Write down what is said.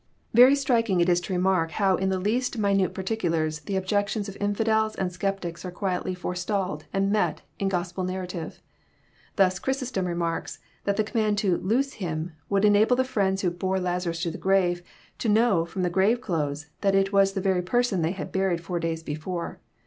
JOHN, CHAP. XI. 289 Very striking is it to remark how in the least mlnnte particu lars the objections of infidels and sceptics are qaietly fore stalled and met in Gospel narrative I Thus Chrysostom remarks that the command to *< loose him " would enable the friends who bore Lazarus to the grave, to know from the grave clothes that it was the very person they had buried four days before.